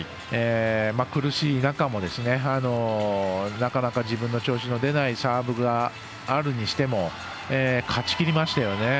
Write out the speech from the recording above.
苦しい中もなかなか、自分の調子の出ないサーブがあるにしても勝ちきりましたよね。